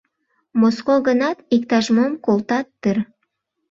Моско гынат иктаж-мом колтат дыр.